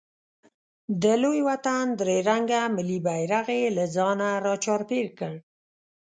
د لوی وطن درې رنګه ملي بیرغ یې له ځانه راچاپېر کړ.